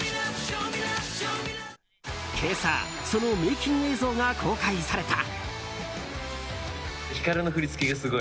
今朝、そのメイキング映像が公開された。